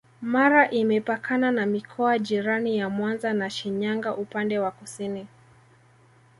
Mara imepakana na mikoa jirani ya Mwanza na Shinyanga upande wa kusini